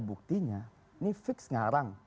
buktinya ini fix ngarang